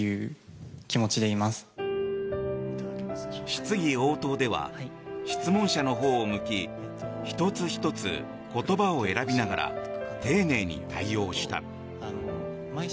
質疑応答では質問者のほうを向き１つ１つ言葉を選びながら丁寧に対応した。